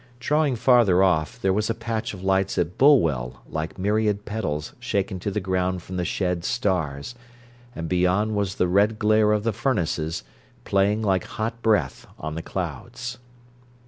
Drawing farther off, there was a patch of lights at Bulwell like myriad petals shaken to the ground from the shed stars; and beyond was the red glare of the furnaces, playing like hot breath on the clouds.